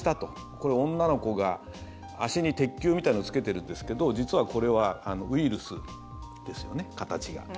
これ、女の子が足に鉄球みたいなのをつけているんですけど実はこれはウイルスですよね形が。